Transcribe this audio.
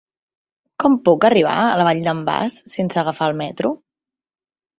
Com puc arribar a la Vall d'en Bas sense agafar el metro?